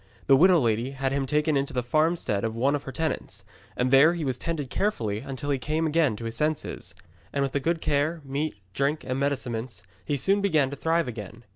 The widow lady had him taken into the farmstead of one of her tenants, and there he was tended carefully until he came again to his senses. And with the good care, meat, drink, and medicaments, he soon began to thrive again.